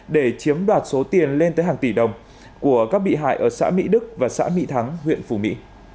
để chiếm đoạt số tiền lên tới hàng tỷ đồng của các bị hại ở xã mỹ đức và xã mỹ thắng huyện phù mỹ